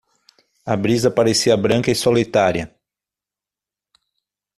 A brisa parecia branca e solitária.